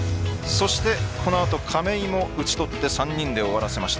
このあと亀井も打ち取って３人で終わらせました。